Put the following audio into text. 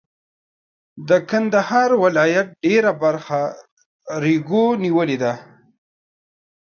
د کندهار ولایت ډېره برخه ریګو نیولې ده.